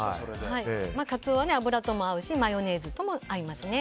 カツオは油とも合うしマヨネーズとも合いますね。